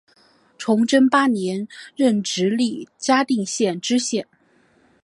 崇祯八年任直隶嘉定县知县。